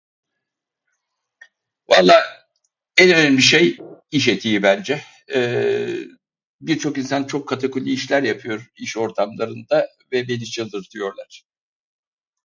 Valla, en önemli şey iş etiği bence... Birçok insan çok katakulli işler yapıyor iş ortamlarında ve beni çıldırtıyorlar.